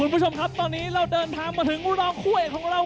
คุณผู้ชมครับตอนนี้เราเดินทางมาถึงรองคู่เอกของเรา